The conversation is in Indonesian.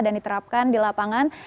dan diterapkan di lapangan